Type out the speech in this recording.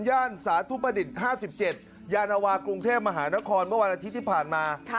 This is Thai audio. ๕๗ยานวากรุงเทพฯมหานครเมื่อวานอาทิตย์ที่ผ่านมา